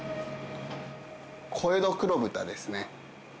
小江戸黒豚ですね。